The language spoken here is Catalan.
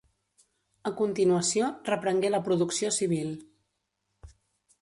A continuació, reprengué la producció civil.